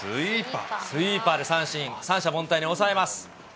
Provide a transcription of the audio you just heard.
スイーパーで三振、三者凡退に抑えます。